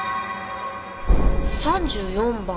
３４番。